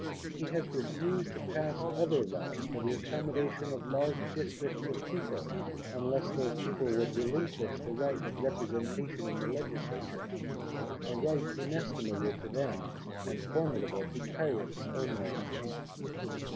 He has refused to pass other Laws for the accommodation of large districts of people, unless those people would relinquish the right of Representation in the Legislature, a right inestimable to them and formidable to tyrants only.